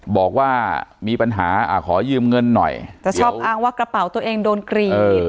บอกว่ามีปัญหาขอยืมเงินหน่อยจะชอบอ้างว่ากระเป๋าตัวเองโดนกรีด